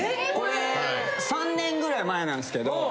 これ３年ぐらい前なんですけど。